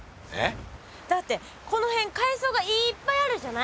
だってこの辺海藻がいっぱいあるじゃない。